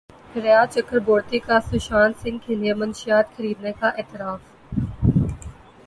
ریا چکربورتی کا سشانت سنگھ کے لیے منشیات خریدنے کا اعتراف